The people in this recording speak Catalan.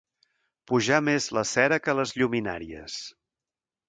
Pujar més la cera que les lluminàries.